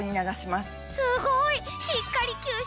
すごい！